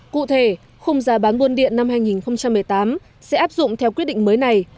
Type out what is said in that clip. cụ thể khung giá bán buôn điện năm hai nghìn một mươi tám sẽ áp dụng theo quyết định mới này